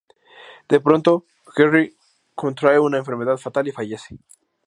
De pronto, Gerry contrae una enfermedad fatal y fallece.